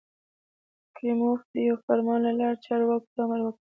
کریموف د یوه فرمان له لارې چارواکو ته امر وکړ.